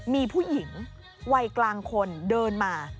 มีผู้หญิงวัยกลางคนเดินมา